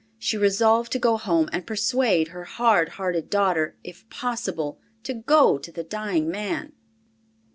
She resolved to go home and persuade her hard hearted daughter, if possible, to go to the dying man.